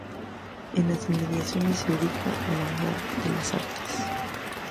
En las inmediaciones se ubica el Hangar de las Artes.